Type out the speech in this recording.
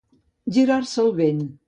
Girar-se el vent.